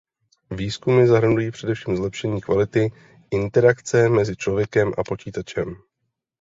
Výzkumy zahrnují především zlepšení kvality interakce mezi člověkem a počítačem.